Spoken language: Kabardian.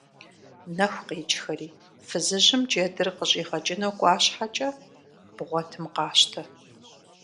Нэху къекӀхэри фызыжьым джэдыр къыщӀигъэкӀыну кӀуа щхьэкӀэ, бгъуэтым къащтэ!